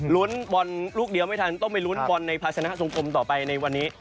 บอลลูกเดียวไม่ทันต้องไปลุ้นบอลในภาชนะทรงกลมต่อไปในวันนี้